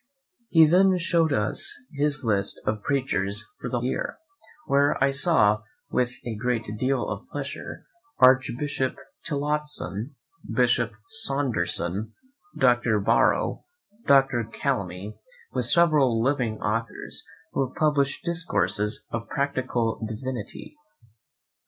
He then shewed us his list of preachers for the whole year, where I saw with a great deal of pleasure Archbishop Tillotson, Bishop Saunderson, Dr. Barrow, Dr. Calamy, with several living authors who have published discourses of practical divinity.